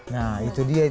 nah itu dia